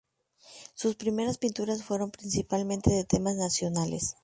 Sus primeras pinturas fueron principalmente de temas nacionales.